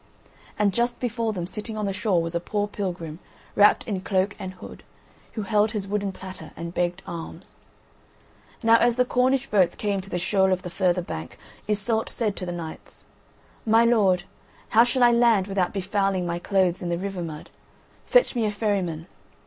And just before them, sitting on the shore, was a poor pilgrim, wrapped in cloak and hood, who held his wooden platter and begged alms. Now as the Cornish boats came to the shoal of the further bank, Iseult said to the knights: "My lords, how shall I land without befouling my clothes in the river mud? Fetch me a ferryman."